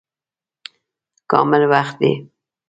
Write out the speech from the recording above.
کامل وخت دی.